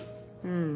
うん。